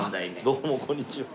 どうもこんにちは。